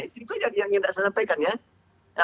itu yang ingin saya sampaikan ya